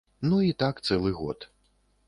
Ну і так цэлы год.